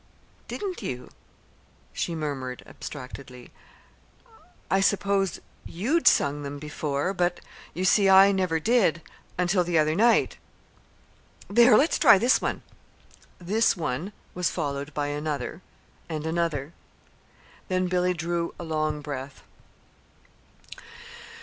"Didn't you?" she murmured abstractedly. "I supposed you'd sung them before; but you see I never did until the other night. There, let's try this one!" "This one" was followed by another and another. Then Billy drew a long breath.